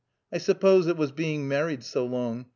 I suppose it was being married so long.